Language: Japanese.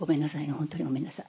ホントにごめんなさい。